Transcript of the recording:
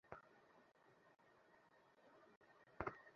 আজ বউমা তোমার জন্য নিজের হাতে রাঁধিবেন, আমি এখান হইতে দেখাইয়া দিব।